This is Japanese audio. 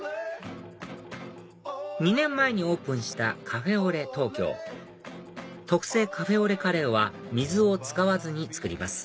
２年前にオープンしたＣａｆａｕｌａｉｔＴｏｋｙｏ特製カフェオレカレーは水を使わずに作ります